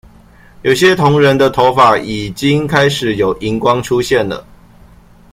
有些同仁的頭髮已經開始有銀光出現了